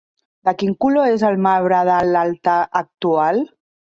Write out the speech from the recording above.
De quin color és el marbre de l'altar actual?